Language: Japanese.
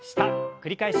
繰り返し。